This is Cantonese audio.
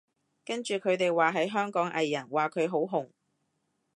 跟住佢哋話係香港藝人，話佢好紅